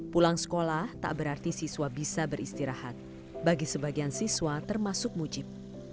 pulang sekolah tak berarti siswa bisa beristirahat bagi sebagian siswa termasuk mujib